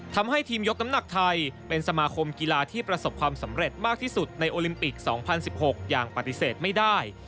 ทำให้ทีมยกน้ำหนักไทยเป็นสมาคมกีฬาที่ประสบความสำเร็จมากที่สุดในโอลิมปิก๒๐๑๖อย่างปฏิเสธไม่ได้